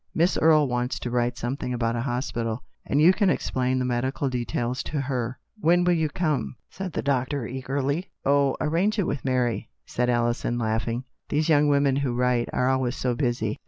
" Miss Erie wants to write a chapter about a hospital, and you can explain the internal arrangements to her." "When will you come?" said the doctor eagerly. "Oh, arrange it with Mary," said Alison laughing. " These young women who write are always so busy.